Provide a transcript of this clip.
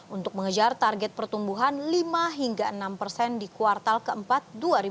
untuk mengejar target pertumbuhan lima hingga enam persen di kuartal keempat dua ribu dua puluh